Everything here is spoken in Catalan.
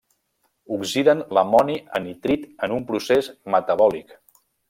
Oxiden l'amoni a nitrit en un procés metabòlic.